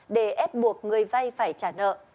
để ép buộc người vay phải trả nợ